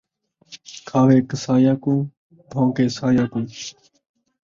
کھاوے قصائیاں کنوں ، بھون٘کے سائیاں کنوں